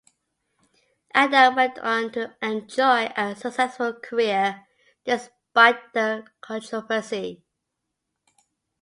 Adam went on to enjoy a successful career despite the controversy.